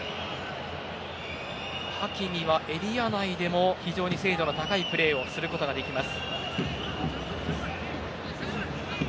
ハキミはエリア内でも非常に精度の高いプレーをすることができます。